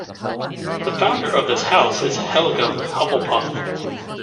The founder of this house is Helga Hufflepuff.